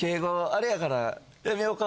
あれやからやめようか？